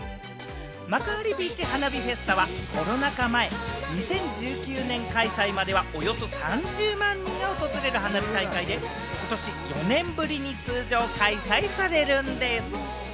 幕張ビーチ花火フェスタは、コロナ禍前、２０１９年開催まではおよそ３０万人が訪れる花火大会で、ことし４年ぶりに通常開催されるんです。